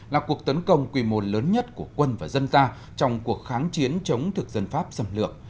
là cuộc tấn công quy mô lớn nhất của quân và dân ta trong cuộc kháng chiến chống thực dân pháp xâm lược